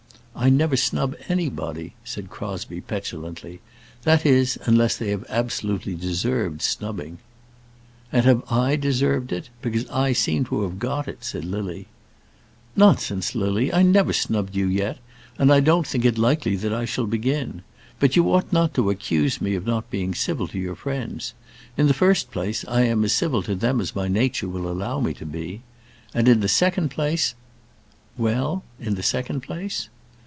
"I never snub anybody," said Crosbie, petulantly; "that is, unless they have absolutely deserved snubbing." "And have I deserved it? Because I seem to have got it," said Lily. "Nonsense, Lily. I never snubbed you yet, and I don't think it likely that I shall begin. But you ought not to accuse me of not being civil to your friends. In the first place I am as civil to them as my nature will allow me to be. And, in the second place " "Well; in the second place